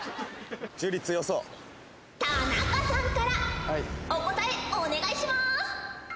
田中さんからお答えお願いします。